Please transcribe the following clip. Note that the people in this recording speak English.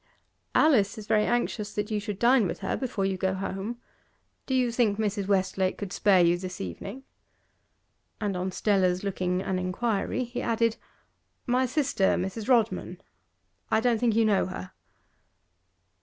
'Alice is very anxious that you should dine with her before you go home. Do you think Mrs. Westlake could spare you this evening?' And, on Stella's looking an inquiry, he added: 'My sister, Mrs. Rodman. I don't think you know her?